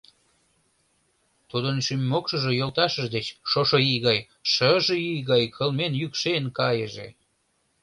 Тудын шӱм-мокшыжо йолташыж деч шошо ий гай, шыже ий гай кылмен йӱкшен кайыже!